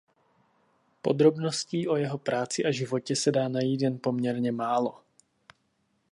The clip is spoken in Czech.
Podrobností o jeho práci a životě se dá najít jen poměrně málo.